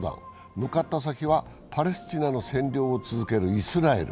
向かった先はパレスチナの占領続けるイスラエル。